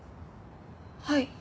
はい。